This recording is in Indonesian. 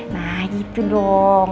nah gitu dong